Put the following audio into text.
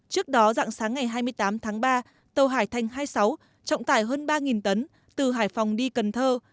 trước đó dạng sáng ngày hai mươi tám tháng ba tàu hải thanh hai mươi sáu trọng tải hơn ba tấn từ hải phòng đi cần thơ